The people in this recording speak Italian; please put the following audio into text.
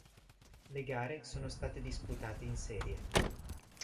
Le gare sono state disputate in serie.